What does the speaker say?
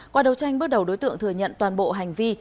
qua đấu tranh bước đầu đối tượng thừa nhận toàn bộ hành vi